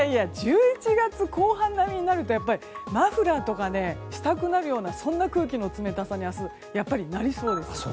１１月後半並みになるとやっぱり、マフラーとかしたくなるようなそんな空気の冷たさに、明日はなりそうです。